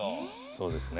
そうですね。